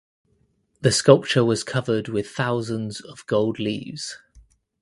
The sculpture was covered with thousands of gold leaves.